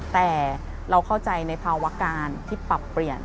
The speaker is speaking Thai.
แต่เราเข้าใจในภาวะการที่ปรับเปลี่ยน